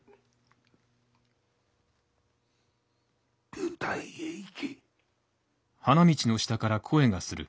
・舞台へ行け。